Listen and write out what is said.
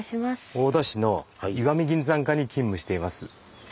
大田市の石見銀山課に勤務しています。